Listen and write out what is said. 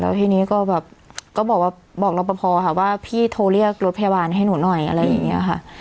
ทีนี้ก็แบบก็บอกว่าบอกรับประพอค่ะว่าพี่โทรเรียกรถพยาบาลให้หนูหน่อยอะไรอย่างนี้ค่ะ